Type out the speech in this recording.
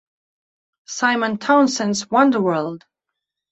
Simon Townsend's Wonder World!